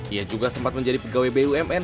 ia juga sempat menjadi pegawai bumn